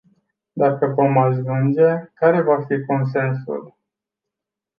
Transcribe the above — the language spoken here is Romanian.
Dacă vom ajunge, care va fi consensul?